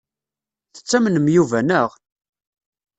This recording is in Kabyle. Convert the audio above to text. Tettamnem Yuba, naɣ?